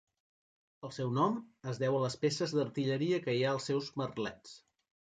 El seu nom es deu a les peces d'artilleria que hi ha als seus merlets.